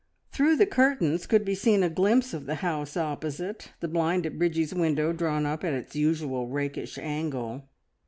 Through the curtains could be seen a glimpse of the house opposite, the blind at Bridgie's window drawn up at its usual rakish angle.